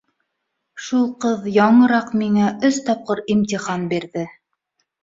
Шул ҡыҙ яңыраҡ миңә өс тапҡыр имтихан бирҙе.